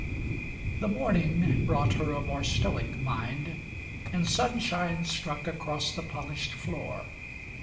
XXIV The morning brought her a more stoic mind, And sunshine struck across the polished floor.